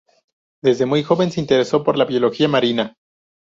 Desde muy joven se interesó por la biología marina.